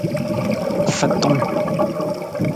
Fintung.